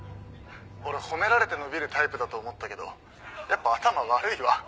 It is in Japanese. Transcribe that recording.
俺褒められて伸びるタイプだと思ったけどやっぱ頭悪いわ。